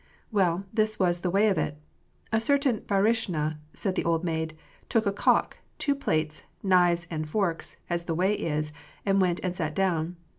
"WeU, this was the way of it: a certain baruishnya," said the old maid, " took a cock, two plates, knives, and forks, as the way is, and went and sat down.